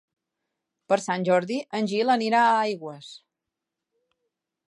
Per Sant Jordi en Gil anirà a Aigües.